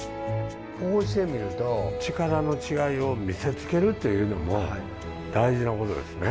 こうしてみると力の違いを見せつけるっていうのも大事なことですね。